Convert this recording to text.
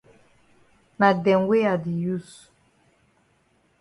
Na dem wey I di use.